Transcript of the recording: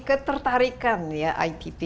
ketertarikan ya itp